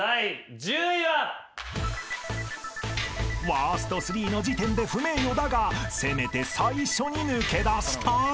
［ワースト３の時点で不名誉だがせめて最初に抜け出したい］